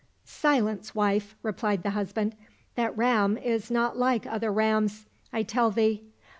—" Silence, wife," replied the husband ;" that ram is not like other rams, I tell thee."